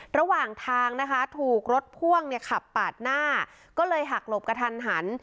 ระหว่างทางนะคะถูกรถพ่วงเนี่ยขับปาดหน้าก็เลยหักหลบกระทันหัน